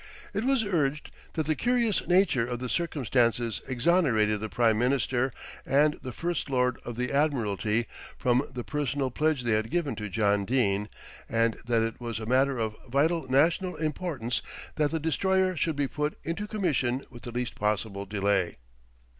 It was urged that the curious nature of the circumstances exonerated the Prime Minister and the First Lord of the Admiralty from the personal pledge they had given to John Dene, and that it was a matter of vital national importance that the Destroyer should be put into commission with the least possible delay.